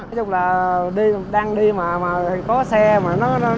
nói chung là đang đi mà có xe mà nó ra vô thì cũng hơi bực